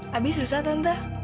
habis susah tante